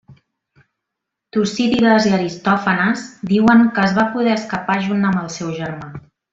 Tucídides i Aristòfanes diuen que es va poder escapar junt amb el seu germà.